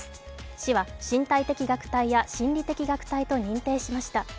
市は身体的虐待や心理的虐待と認定しました。